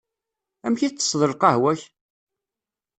Amek i tsesseḍ lqahwa-k?